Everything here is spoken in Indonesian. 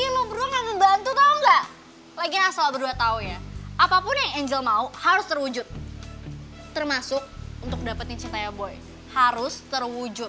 wih lo berdua gak membantu tau gak lagian asal berdua tau ya apapun yang angel mau harus terwujud termasuk untuk dapetin cinta ya boy harus terwujud